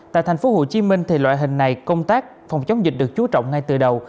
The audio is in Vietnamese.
tại tp hcm loại hình này công tác phòng chống dịch được chú trọng ngay từ đầu